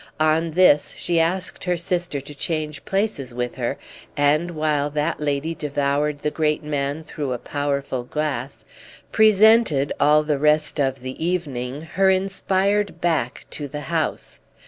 On this she asked her sister to change places with her and, while that lady devoured the great man through a powerful glass, presented, all the rest of the evening, her inspired back to the house.